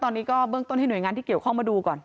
ตอนนี้ก็เบื้องต้นให้หน่วยงานที่เกี่ยวข้องมาดูก่อน